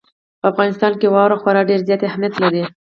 په افغانستان کې واوره خورا ډېر زیات اهمیت لري.